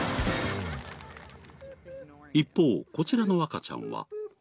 一方こちらの赤ちゃんは。